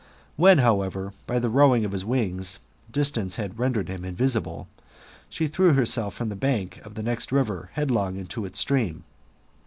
When, however, by the rowing of his wings, distance had rendered him invisible, she threw herself from the bank of the next riyer headlong into its stream.